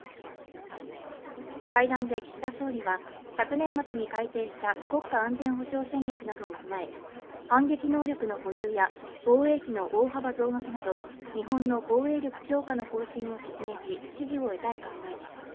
会談で岸田総理は昨年末に改定した国家安全保障戦略などを踏まえ、反撃能力の保有や防衛費の大幅増額など日本の防衛力強化の方針を説明し支持を得たい考えです。